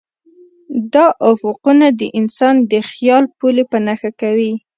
دا افقونه د انسان د خیال پولې په نښه کوي.